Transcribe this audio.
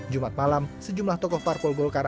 jumat malam sejumlah tokoh parpol golkar